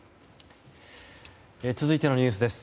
続いてのニュースです。